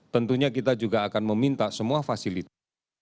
tentunya kita juga akan meminta semua fasilitas